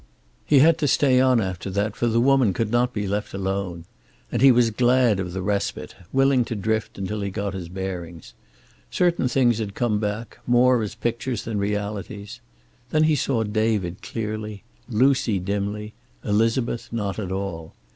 He had to stay on after that, for the woman could not be left alone. And he was glad of the respite, willing to drift until he got his bearings. Certain things had come back, more as pictures than realities. Thus he saw David clearly, Lucy dimly, Elizabeth not at all.